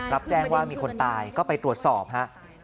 รับแจ้งว่ามีคนตายก็ไปตรวจสอบฮะ